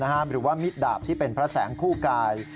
หรือว่ามิดดาบที่เป็นพระแสงคู่กาย